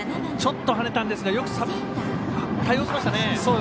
ちょっと跳ねたんですがよく対応しましたね。